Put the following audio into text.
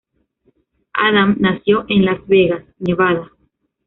Adam nació en Las Vegas, Nevada.